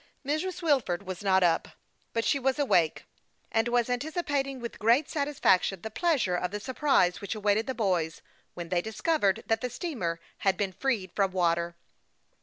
Mrs. Wilford was not up, but she was awake, and was anticipating with great satisfaction the pleasure of the surprise which awaited the boys, when they discovered that the steamer had been freed from water.